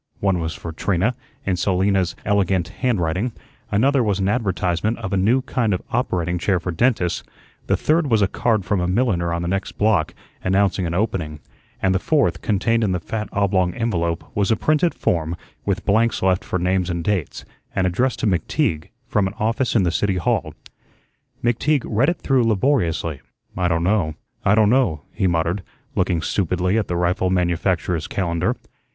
One was for Trina, in Selina's "elegant" handwriting; another was an advertisement of a new kind of operating chair for dentists; the third was a card from a milliner on the next block, announcing an opening; and the fourth, contained in the fat oblong envelope, was a printed form with blanks left for names and dates, and addressed to McTeague, from an office in the City Hall. McTeague read it through laboriously. "I don' know, I don' know," he muttered, looking stupidly at the rifle manufacturer's calendar.